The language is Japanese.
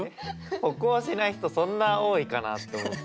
歩行しない人そんな多いかなと思って。